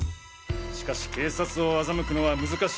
しかし警察を欺くのは難しいと分かり